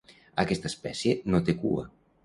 Aquesta espècie no té cua.